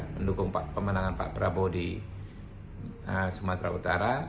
pendukung pemenangan pak prabowo di sumatera utara